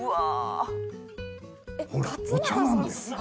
ほらお茶なんです。